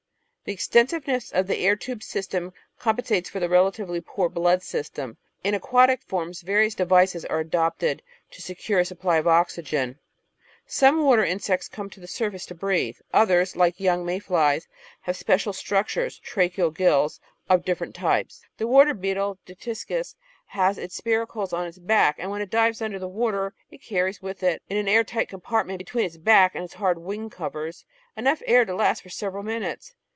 The ex tensiveness of the air tube system compensates for the relatively poor blood system. In aquatic forms various devices are adopted to secure a supply of oxygen. Some water insects come to the surface to breathe, others, like young may flies, have special structures — ^tracheal gills — of different types. The Water Beetle (Dytiscus) has its spiracles on its back, and when it dives imder water it carries with it, in an air tight compartment between its back and its hard wing covers, enough air to last for several minutes.